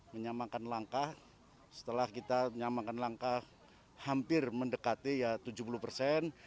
menyamakan langkah setelah kita menyamakan langkah hampir mendekati tujuh puluh persen